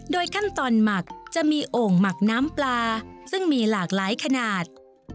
ขั้นตอนหมักจะมีโอ่งหมักน้ำปลาซึ่งมีหลากหลายขนาด